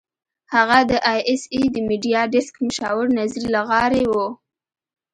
هغه د اى ايس اى د میډیا ډیسک مشاور نذیر لغاري وو.